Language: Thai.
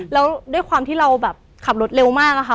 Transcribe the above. แล้วด้วยความที่เราขับรถเร็วมาก